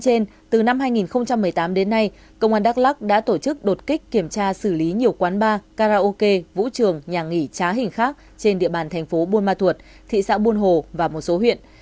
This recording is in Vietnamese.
hôm nay công an đắk lắc đã tổ chức đột kích kiểm tra xử lý nhiều quán bar karaoke vũ trường nhà nghỉ trá hình khác trên địa bàn thành phố buôn ma thuột thị xã buôn hồ và một số huyện